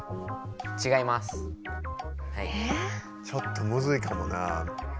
ちょっとむずいかもな。